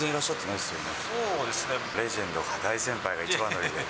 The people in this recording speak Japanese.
レジェンドが、大先輩が一番乗りで。